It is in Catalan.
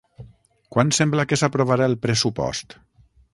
Quan sembla que s'aprovarà el pressupost?